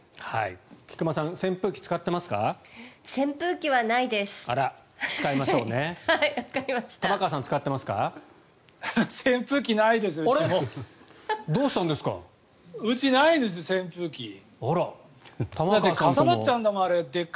菊間さん扇風機使ってますか？